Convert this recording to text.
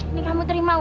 ini kamu terima uang lo